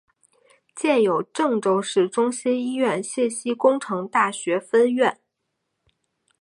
建有郑州市中心医院信息工程大学分院。